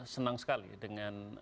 senang sekali dengan